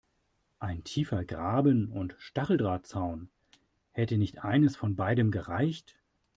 Ein tiefer Graben und Stacheldrahtzaun – hätte nicht eines von beidem gereicht?